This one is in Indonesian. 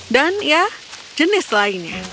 dan ya jenis lainnya